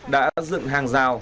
đã dựng hàng rào